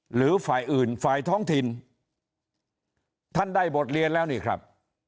หรือฝ่ายอื่นฝ่ายท้องถิ่นท่านได้บทเรียนแล้วนี่ครับ